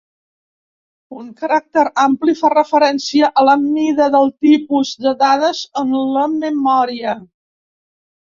Un caràcter ampli fa referència a la mida del tipus de dades en la memòria.